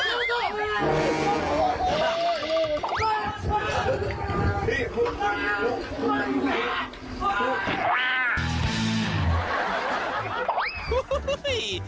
อย่าวปะตู้